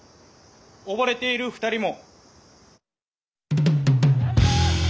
溺れている２人も。